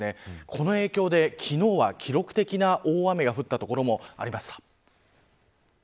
この影響で昨日は記録的な大雨が降った所もありました。